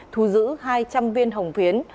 thu giữ hai trăm linh viên hồng phiến